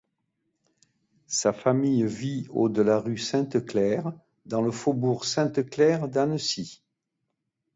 Sa famille vit au de la rue Sainte-Claire dans le faubourg Sainte-Claire d'Annecy.